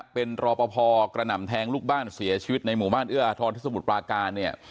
เป็นรอปภกระหน่ำแทงลูกบ้านเสียชีวิตในหมู่บ้านเอื้ออาทรที่สมุทรปราการเนี่ย